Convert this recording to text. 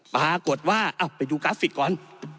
ปรากฏว่าไปดูกราฟิกก่อน